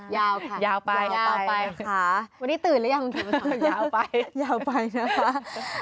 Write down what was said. ยาวค่ะยาวไปยาวไปค่ะวันนี้ตื่นหรือยังค่ะยาวไปยาวไปนะคะ